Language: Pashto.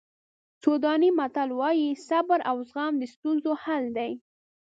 سوډاني متل وایي صبر او زغم د ستونزو حل دی.